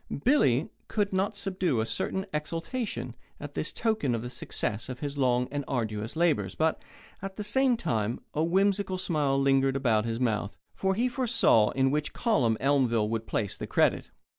Billy could not subdue a certain exultation at this token of the success of his long and arduous labours, but, at the same time, a whimsical smile lingered around his mouth, for he foresaw in which column Elmville would place the credit.